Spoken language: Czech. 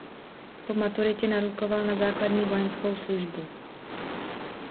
Po maturitě narukoval na základní vojenskou službu.